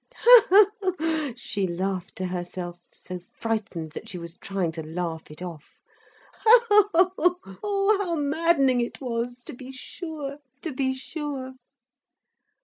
Ha—ha—she laughed to herself, so frightened that she was trying to laugh it off—ha—ha, how maddening it was, to be sure, to be sure!